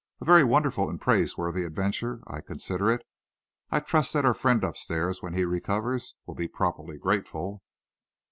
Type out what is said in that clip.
A very wonderful and praiseworthy adventure, I consider it. I trust that our friend up stairs, when he recovers, will be properly grateful."